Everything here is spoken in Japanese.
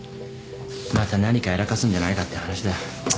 また何かやらかすんじゃないかって話だ。